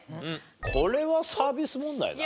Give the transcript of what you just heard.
これはサービス問題だね。